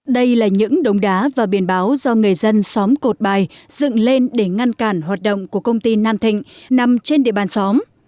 đây là những đống đá và biển báo do người dân xóm cột bài dựng lên để ngăn cản hoạt động của công ty nam thịnh nằm trên địa bàn xóm